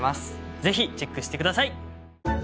ぜひチェックして下さい！